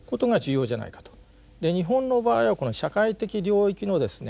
で日本の場合はこの社会的領域のですね